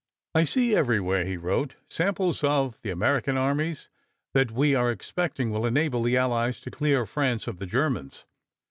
"I see everywhere," he wrote, "samples of the American armies that we are expecting will enable the Allies to clear France of the Germans.